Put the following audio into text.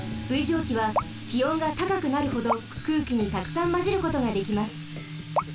水蒸気はきおんがたかくなるほどくうきにたくさんまじることができます。